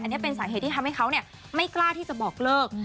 อันนี้เป็นสาเหตุที่ทำให้เขาไม่กล้าที่จะบอกเลิก